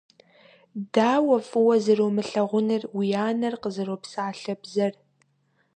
Дауэ фӀыуэ зэрумылъагъунур уи анэр къызэропсалъэ бзэр.